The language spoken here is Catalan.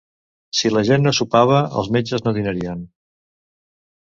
Si la gent no sopava, els metges no dinarien.